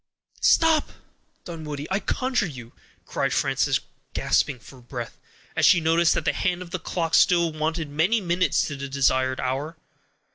"Stop! Dunwoodie, I conjure you," cried Frances, gasping for breath, as she noticed that the hand of the clock still wanted many minutes to the desired hour.